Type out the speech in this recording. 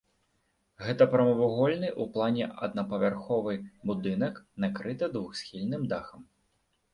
Гэта прамавугольны ў плане аднапавярховы будынак, накрыты двухсхільным дахам.